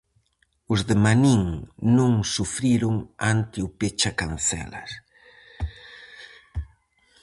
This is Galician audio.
Os de Manín non sufriron ante o pechacancelas.